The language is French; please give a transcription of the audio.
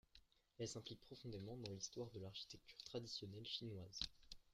Elle s’implique profondément dans l’histoire de l’architecture traditionnelle chinoise.